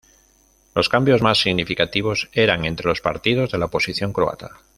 Los cambios más significativos eran entre los partidos de la oposición croata.